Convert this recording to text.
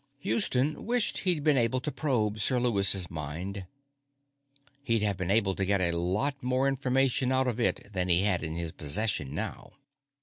Houston wished he'd been able to probe Sir Lewis's mind; he'd have been able to get a lot more information out of it than he had in his possession now.